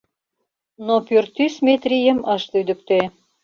Но пӱртӱс Метрийым ыш лӱдыктӧ.